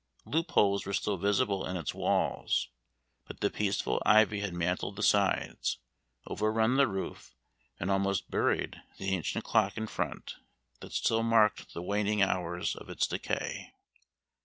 Loopholes were still visible in its walls, but the peaceful ivy had mantled the sides, overrun the roof, and almost buried the ancient clock in front, that still marked the waning hours of its decay.